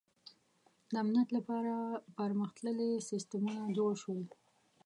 • د امنیت لپاره پرمختللي سیستمونه جوړ شول.